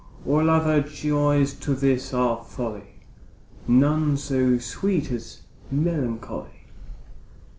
All other joys to this are folly, None so sweet as melancholy.